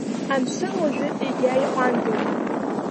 Амшын уажәы егьа иҟәандоуп.